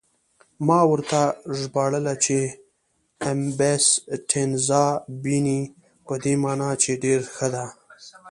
ما ورته ژباړله چې: 'Abbastanza bene' په دې مانا چې ډېره ښه ده.